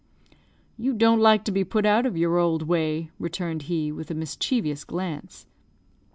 "You don't like to be put out of your old way," returned he, with a mischievous glance.